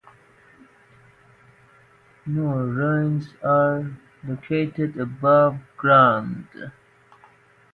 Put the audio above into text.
No ruins are located above ground.